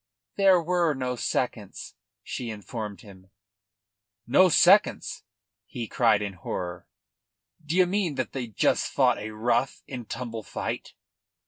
"There were no seconds," she informed him. "No seconds!" he cried in horror. "D' ye mean they just fought a rough and tumble fight?"